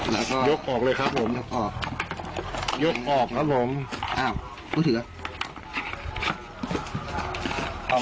แล้วก็ยกออกเลยครับผมยกออกครับผมอ้าวมือถือละ